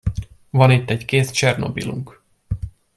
Van itt egy kész Csernobilunk.